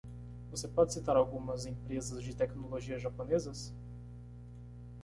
Você pode citar algumas empresas de tecnologia japonesas?